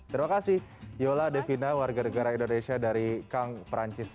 terima kasih yola devina warga negara indonesia dari kang perancis